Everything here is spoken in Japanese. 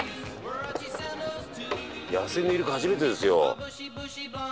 野生のイルカ初めてですよ。